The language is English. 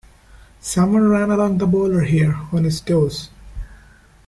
Some one ran along the border here on his toes.